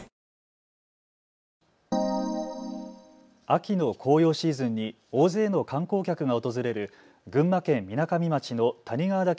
秋の紅葉シーズンに大勢の観光客が訪れる群馬県みなかみ町の谷川岳